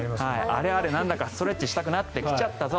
あれあれ、なんだかストレッチしたくなってきちゃったぞ。